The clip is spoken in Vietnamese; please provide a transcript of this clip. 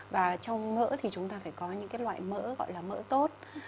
và trong mỡ thì chúng ta phải có những cái loại mỡ gọi là mỡ tốt